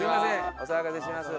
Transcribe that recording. お騒がせします。